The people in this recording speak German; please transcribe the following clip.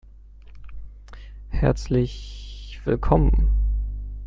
Herzlich willkommen!